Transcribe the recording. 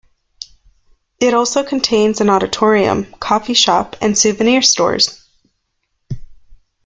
It also contains an auditorium, coffee shop and souvenir stores.